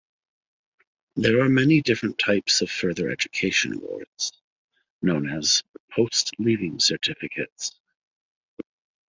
There are many different types of further education awards, known as Post Leaving Certificates.